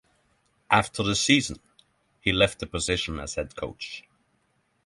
After the season, he left the position as head coach.